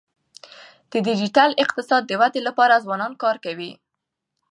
د ډیجیټل اقتصاد د ودي لپاره ځوانان کار کوي.